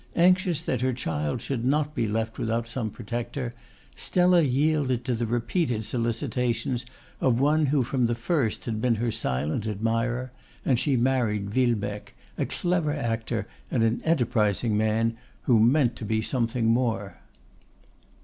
Anxious that her child should not be left without some protector, Stella yielded to the repeated solicitations of one who from the first had been her silent admirer, and she married Villebecque, a clever actor, and an enterprising man who meant to be something more.